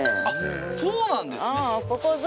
あっそうなんですか？